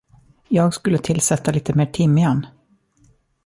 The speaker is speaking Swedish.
Jag skulle tillsätta lite mer timjan.